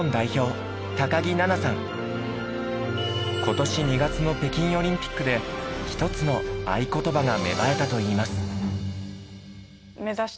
今年２月の北京オリンピックで一つの愛ことばが芽生えたといいます。